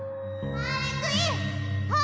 ハーレクイン？